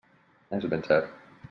És ben cert.